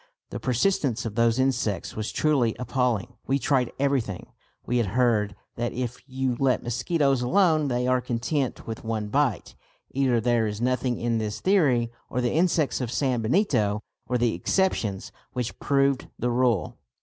The persistence of those insects was truly appalling. We tried everything. We had heard that if you let mosquitoes alone they are content with one bite. Either there is nothing in this theory or the insects of San Benito were the exceptions which proved the rule.